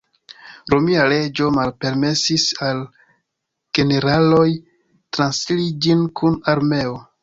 Romia leĝo malpermesis al generaloj transiri ĝin kun armeo.